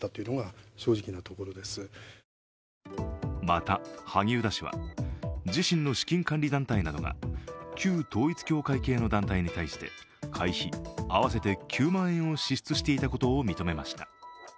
また萩生田氏は自身の資金管理団体などが旧統一教会系の団体に対して会費合わせて９万円を支出していてたことを認めました。